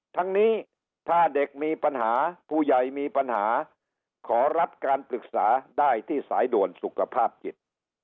ทั้งนี้ถ้าเด็กมีปัญหาผู้ใหญ่มีปัญหาขอรับการปรึกษาได้ที่สายด่วนสุขภาพจิต